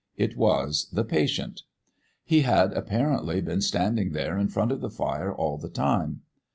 It was the patient. He had apparently been standing there in front of the fire all the time.